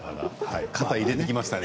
肩を入れてきましたね。